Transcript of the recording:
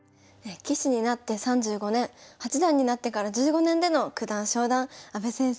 棋士になって３５年八段になってから１５年での九段昇段阿部先生